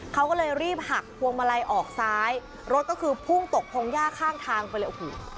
เขาก็เลยรีบหักพวงมาลัยออกซ้ายรถก็คือพุ่งตกพงหญ้าข้างทางไปเลยโอ้โห